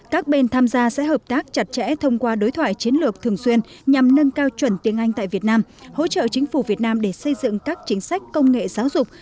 các bên tham gia sẽ hợp tác chặt chẽ thông qua đối thoại chiến lược thường xuyên nhằm nâng cao chuẩn tiếng anh tại việt nam hỗ trợ chính phủ việt nam để xây dựng các chính sách công nghệ giáo dục